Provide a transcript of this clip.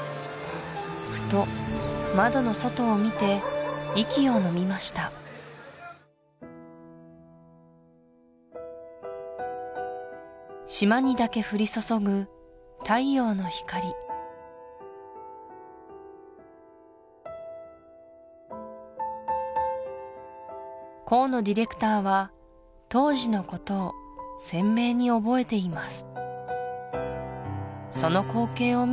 ふと窓の外を見て息をのみました島にだけ降り注ぐ太陽の光河野ディレクターは当時のことを鮮明に覚えています